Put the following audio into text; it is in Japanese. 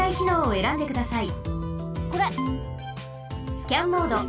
スキャンモード。